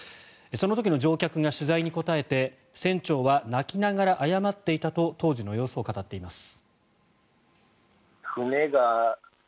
その時の乗客が取材に答えて船長は泣きながら謝っていたと当時の様子を語っています。